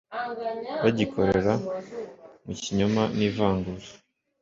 bagikorera mu kinyoma n'ivangura